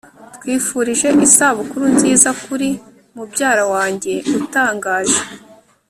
twifurije isabukuru nziza kuri mubyara wanjye utangaje